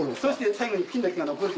最後に金だけが残る。